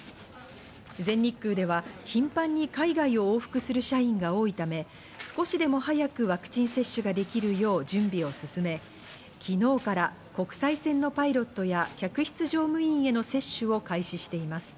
全日空では頻繁に海外を往復する社員が多いため、少しでも早くワクチン接種ができるよう準備を進め、昨日から国際線のパイロットや客室乗務員への接種を開始しています。